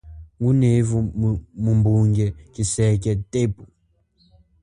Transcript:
Ngunevu mumbunge chiseke tepu.